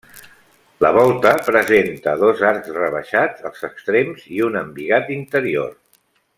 La volta presenta dos arcs rebaixats als extrems i un embigat interior.